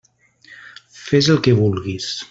Fes el que vulguis.